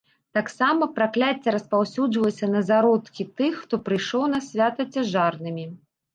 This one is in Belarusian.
Таксама пракляцце распаўсюджвалася на зародкі тых, хто прыйшоў на свята цяжарнымі.